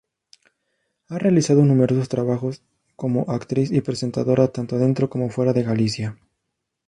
Ha realizado numerosos trabajos como actriz y presentadora tanto dentro como fuera de Galicia.